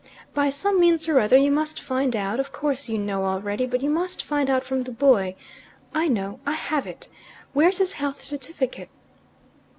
"By some means or other you must find out of course you know already, but you must find out from the boy. I know I have it! Where's his health certificate?"